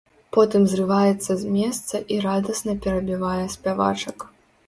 Потым зрываецца з месца і радасна перабівае спявачак.